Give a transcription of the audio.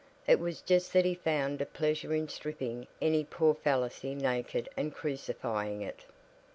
It was just that he found a pleasure in stripping any poor fallacy naked and crucifying it.